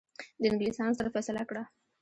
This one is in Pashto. د انګلیسانو سره فیصله کړه.